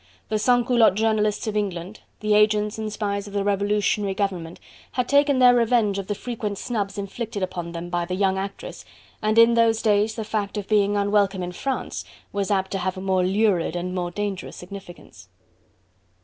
The sans culotte journalists of England, the agents and spies of the Revolutionary Government, had taken their revenge of the frequent snubs inflicted upon them by the young actress, and in those days the fact of being unwelcome in France was apt to have a more lurid and more dangerous significance.